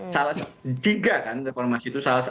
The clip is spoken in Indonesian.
salah tiga kan reformasi itu salah satu